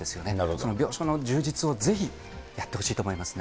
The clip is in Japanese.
その病床の充実をぜひやってほしいと思いますね。